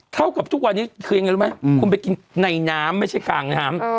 เท่ากับทุกวันนี้คือยังไงรู้ไหมคุณไปกินในน้ำไม่ใช่กลางน้ำ